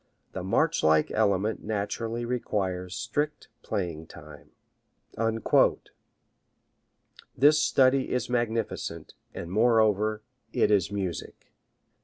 The march like element naturally requires strict playing in time. This study is magnificent, and moreover it is music.